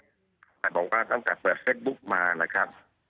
ตอนนี้ผมก็ตั้งแต่เปิดเฟซบุ๊กมานะครับ